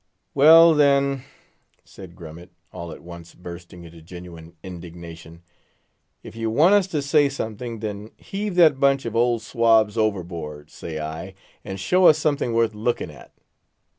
"Well, then," said Grummet, all at once bursting into genuine indignation, "if you want us to say something, then heave that bunch of old swabs overboard, say I, and show us something worth looking at."